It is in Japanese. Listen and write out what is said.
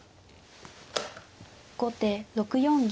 後手６四銀。